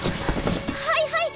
はいはい！